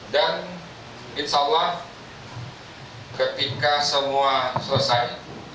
dan insya allah ketika semua selesai